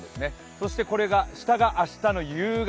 そして下が明日の夕方。